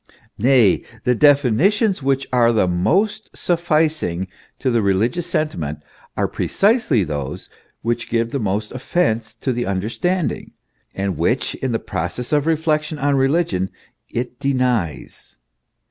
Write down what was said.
Nay, the definitions which are the most sufficing to the religious sentiment, are precisely those which give the most offence to the understanding, and which in the process of reflection on religion it denies.